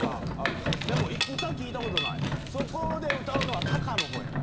そこで歌うのはＴａｋａの方やねん。